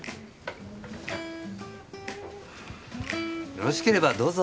よろしければどうぞ。